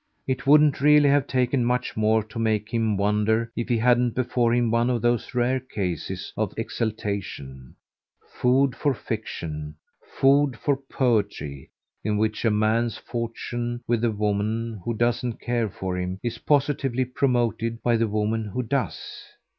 It wouldn't really have taken much more to make him wonder if he hadn't before him one of those rare cases of exaltation food for fiction, food for poetry in which a man's fortune with the woman who doesn't care for him is positively promoted by the woman who does.